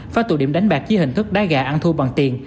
phá tụ điểm đánh bạc dưới hình thức đá gà ăn thua bằng tiền